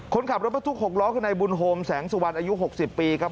คนขับรถบรรทุก๖ล้อคือในบุญโฮมแสงสุวรรณอายุ๖๐ปีครับ